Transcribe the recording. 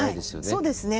そうですね。